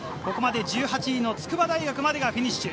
ここまで１８位の筑波大学までがフィニッシュ。